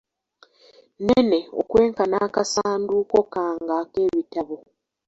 nnene okwenkana akasanduuko kange ak’ebitabo.